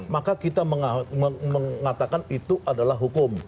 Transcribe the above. maka kita mengatakan itu adalah hukum